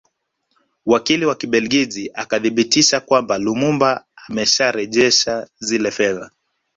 Wakili wa Kibelgiji akathibitisha kwamba Lumumba amesharejesha zile fedha